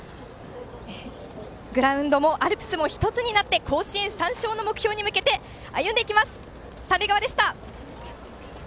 グラウンドもアルプスも１つになって甲子園３勝の目標に向けて歩んでいきます！